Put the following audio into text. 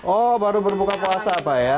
oh baru berbuka puasa pak ya